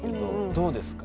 どうですか？